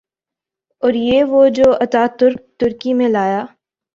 اوریہ وہ جو اتا ترک ترکی میں لایا۔